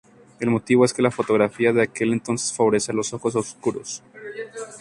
El motivo es que la fotografía de aquel entonces favorecía los ojos oscuros.